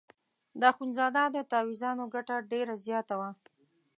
د اخندزاده د تاویزانو ګټه ډېره زیاته وه.